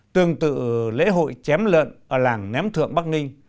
tương tự lễ hội chém lợn ở làng ném thượng bắc ninh